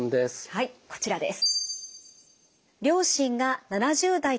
はいこちらです。